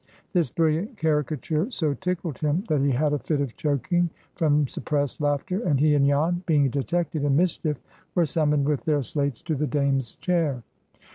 This brilliant caricature so tickled him, that he had a fit of choking from suppressed laughter; and he and Jan, being detected "in mischief," were summoned with their slates to the Dame's chair.